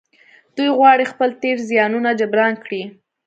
دوی غواړي خپل تېر زيانونه جبران کړي.